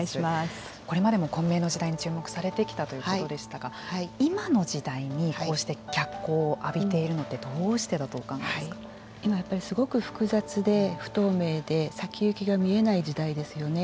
これまでも混迷の時代に注目されてきたということでしたが今の時代にこうして脚光を浴びているのって今、すごく複雑で不透明で先行きが見えない時代ですよね。